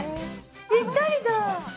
ぴったりだ。